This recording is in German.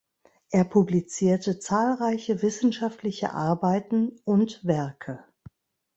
Er publizierte zahlreiche wissenschaftliche Arbeiten und Werke.